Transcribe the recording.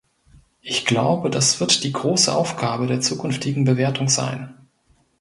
Ich glaube, das wird die große Aufgabe der zukünftigen Bewertung sein.